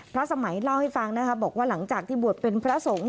สมัยเล่าให้ฟังนะคะบอกว่าหลังจากที่บวชเป็นพระสงฆ์